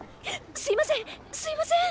すいませんすいません！